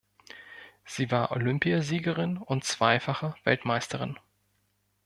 Sie war Olympiasiegerin und zweifache Weltmeisterin.